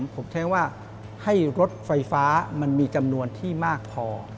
ผมใช้ว่าให้รถไฟฟ้ามันมีจำนวนที่มากพอ